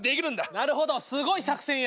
なるほどすごい作戦や。